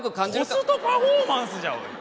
コストパフォーマンスじゃおい。